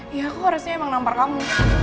iya kok harusnya emang nampar kamu